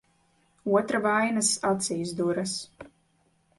Otra vainas acīs duras.